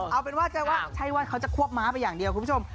เอาเป็นว่าใช่ว่าเขาจะควบม้าไปอย่างเดียวคุณผู้ชม